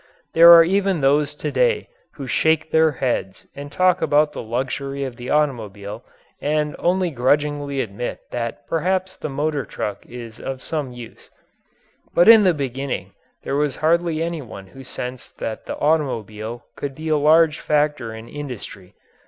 There are even those to day who shake their heads and talk about the luxury of the automobile and only grudgingly admit that perhaps the motor truck is of some use. But in the beginning there was hardly any one who sensed that the automobile could be a large factor in industry.